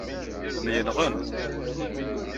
Myenɣen.